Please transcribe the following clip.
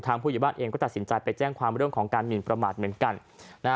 ผู้ใหญ่บ้านเองก็ตัดสินใจไปแจ้งความเรื่องของการหมินประมาทเหมือนกันนะฮะ